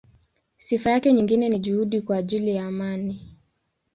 Sifa yake nyingine ni juhudi kwa ajili ya amani.